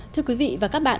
thưa quý vị và các bạn